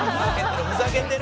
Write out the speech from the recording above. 「ふざけてる！